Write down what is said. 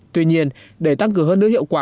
tuy nhiên để tăng cường hơn nước hiệu quả